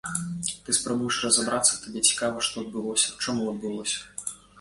Ты спрабуеш разабрацца, табе цікава, што адбылося, чаму адбылося.